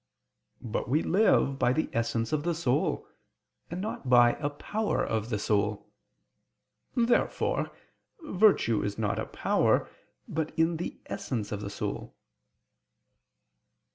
But we live by the essence of the soul, and not by a power of the soul. Therefore virtue is not a power, but in the essence of the soul.